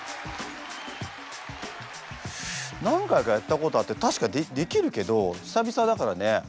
何回かやったことあって確かできるけど久々だからね。